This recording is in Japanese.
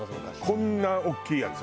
こんな大きいやつ。